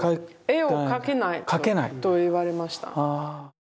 絵を描けないと言われました。